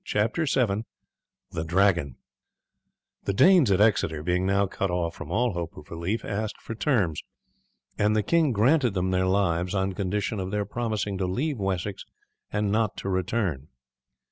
CHAPTER VII: THE DRAGON The Danes at Exeter, being now cut off from all hope of relief, asked for terms, and the king granted them their lives on condition of their promising to leave Wessex and not to return.